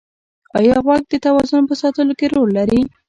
ایا غوږ د توازن په ساتلو کې رول لري؟